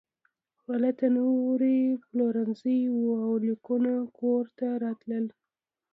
هلته نوي پلورنځي وو او لیکونه کور ته راتلل